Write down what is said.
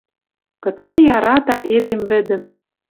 Кыце ярата эдем вӹдӹм